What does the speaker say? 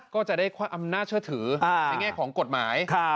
ก็จะได้อำนาจเชื่อถือในแง่ของกฎหมาย